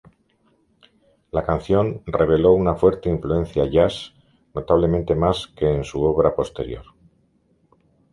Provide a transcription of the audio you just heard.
La canción reveló una fuerte influencia jazz, notablemente más que en su obra posterior.